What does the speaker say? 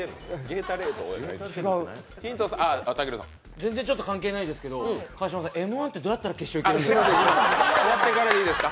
全然ちょっと関係ないんですが「Ｍ−１」ってどうやったら決勝いけるんですか？